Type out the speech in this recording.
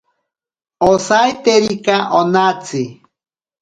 Osaitekira onatsi.